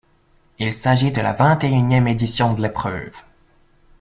Il s'agit de la vingt-et-unième édition de l'épreuve.